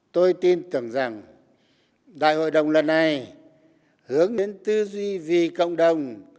tôi tin tưởng rằng đại hội đồng lần này hướng đến tư duy vì cộng đồng